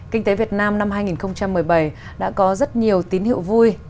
kinh tế việt nam năm hai nghìn một mươi bảy đã có rất nhiều tín hiệu vui